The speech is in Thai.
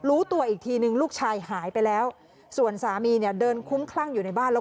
รู้ตัวอีกทีนึงลูกชายหายไปแล้วส่วนสามีเนี่ยเดินคุ้มคลั่งอยู่ในบ้านแล้ว